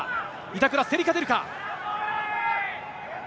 板倉、競り勝てるか？